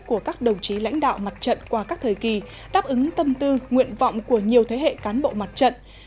của các đồng chí lãnh đạo mặt trận qua các thời kỳ đáp ứng tâm tư nguyện vọng của nhiều thế hệ cán bộ mặt trận